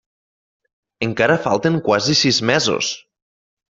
Encara falten quasi sis mesos!